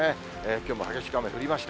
きょうも激しい雨、降りました。